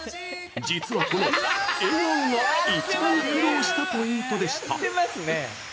実はこの「笑顔」が一番苦労したポイントでした。